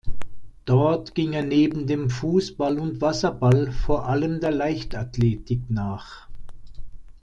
Dort ging er neben dem Fußball und Wasserball vor allem der Leichtathletik nach.